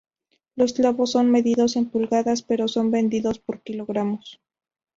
Los clavos son medidos en pulgadas pero son vendidos por kilogramos.